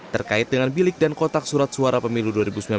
terkait dengan bilik dan kotak surat suara pemilu dua ribu sembilan belas